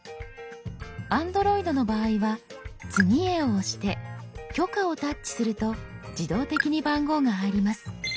Ａｎｄｒｏｉｄの場合は「次へ」を押して「許可」をタッチすると自動的に番号が入ります。